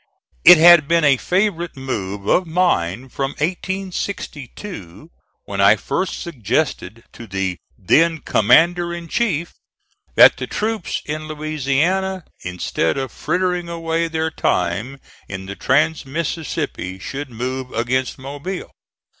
It had been a favorite move of mine from 1862, when I first suggested to the then commander in chief that the troops in Louisiana, instead of frittering away their time in the trans Mississippi, should move against Mobile.